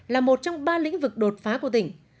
là một trong ba lĩnh vực đột phá của tỉnh